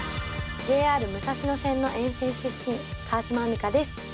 ＪＲ武蔵野線の沿線出身川島海荷です。